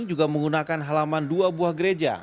juga menggunakan halaman dua buah gereja